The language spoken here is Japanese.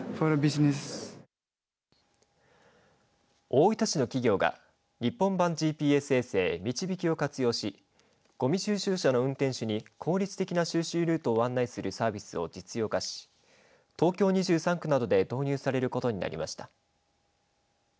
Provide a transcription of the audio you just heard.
大分市の企業が日本版ＧＰＳ衛星みちびきを活用しごみ収集車の運転手に効率的な収集ルートを案内するサービスを実用化し、東京２３区などで導入されることになりました。